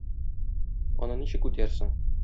Аны ничек үтәрсең?